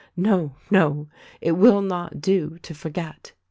"No, no ; It will not do to forget